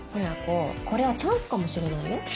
雛子これはチャンスかもしれないよ？